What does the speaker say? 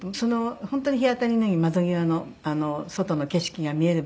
本当に日当たりのいい窓際の外の景色が見えるベッドだったので。